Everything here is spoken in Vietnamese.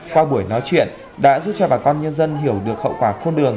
qua buổi nói chuyện đã giúp cho bà con nhân dân hiểu được hậu quả khôn đường